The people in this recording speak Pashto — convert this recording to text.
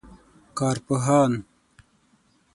کارپوهان